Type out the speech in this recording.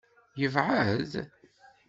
Yebɛed?